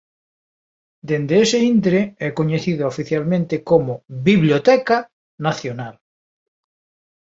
Dende ese intre é coñecida oficialmente como "Biblioteca" Nacional.